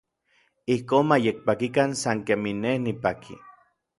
Ijkon ma yekpakikan san kemij n nej nipaki.